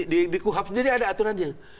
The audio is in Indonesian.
di kuhap sendiri ada aturannya